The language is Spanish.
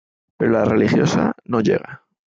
Pero la religiosa no llega.